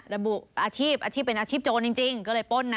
ระบุอาชีพอาชีพเป็นอาชีพโจรจริงก็เลยป้นนะ